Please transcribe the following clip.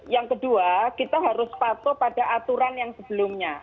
yang kedua kita harus patuh pada aturan yang sebelumnya